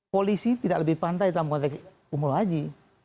polisi tidak lebih pandai dalam konteks umroh haji